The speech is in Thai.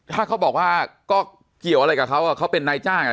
ถ้าเขาบอกว่าก็เกี่ยวอะไรกับเขาเขาเป็นนายจ้างอ่ะ